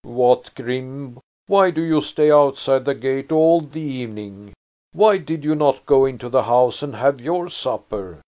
"What, Grim, why do you stay outside the gate all the evening? Why did you not go into the house and have your supper?"